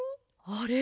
あれ？